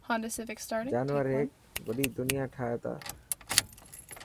جانور هيڪ وڏي دنيا ٺاهي تا.